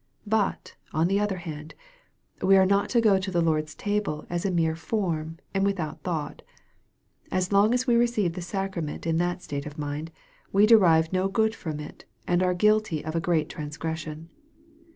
But, on the other hand, we are not to go to the Lord's table as a mere form, and without thought. As long as we receive the sacrament in that state of mind, we derive no good from it, and are guilty of a great transgression.